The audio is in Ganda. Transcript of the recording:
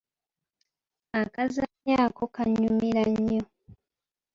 Akazannyo ako kannyumira nnyo.